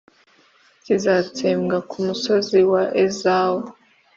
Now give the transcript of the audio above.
kizatsembwa ku musozi wa ezawu.